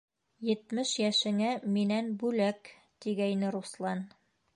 «Етмеш йәшеңә минән бүләк», - тигәйне Руслан.